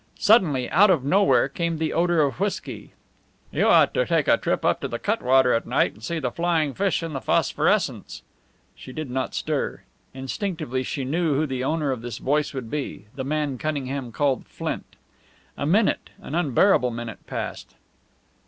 Suddenly out of nowhere came the odour of whisky. "You ought to take a trip up to the cutwater at night and see the flying fish in the phosphorescence." She did not stir. Instinctively she knew who the owner of this voice would be the man Cunningham called Flint. A minute an unbearable minute passed.